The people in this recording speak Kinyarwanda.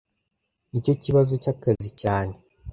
Nicyo kibazo cyakazi cyane